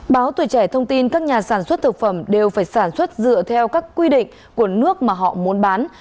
báo tùy trẻ thông tin các nhà sản xuất thực phẩm đều phải sản xuất dựa theo các quy định của nước mà họ muốn bán